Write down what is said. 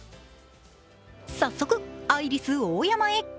早速アイリスオーヤマへ。